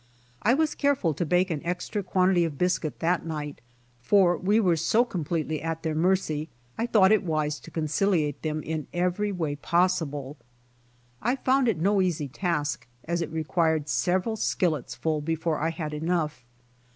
I was care ful to bake an extra quantity of biscuit that night, for we were so completely at their mercy I thought it wise to conciliate them( in every way possible. I found it no easy task, as it required several skillets full before I had enough.